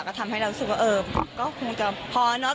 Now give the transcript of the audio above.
ก็ทำให้เรารู้สึกว่าเออก็คงจะพอเนอะ